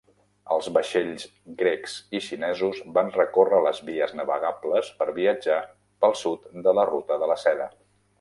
Els vaixells grecs i xinesos van recórrer les vies navegables per viatjar pel sud de la Ruta de la Seda.